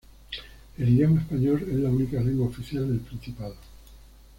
El idioma español es la única lengua oficial del Principado.